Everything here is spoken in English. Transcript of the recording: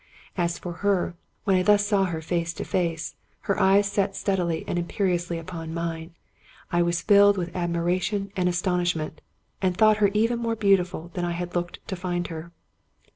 As for her, when I thus saw her face to face, her eyes set steadily and imperiously upon mine, I was filled with admiration and astonishment, and thought her even more beautiful than I had looked to find her.